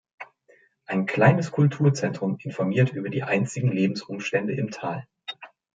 Ein kleines Kulturzentrum informiert über die einstigen Lebensumstände im Tal.